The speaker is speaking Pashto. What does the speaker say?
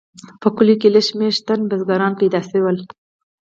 په کلیو کې لږ شمیر شتمن بزګران پیدا شول.